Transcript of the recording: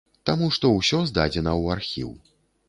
Таму што ўсё здадзена ў архіў.